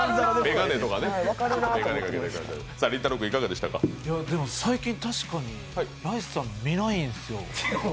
でも最近確かにライスさん見ないんですよ。